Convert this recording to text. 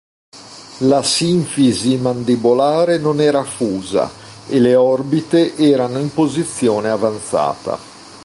La sinfisi mandibolare non era fusa, e le orbite erano in posizione avanzata.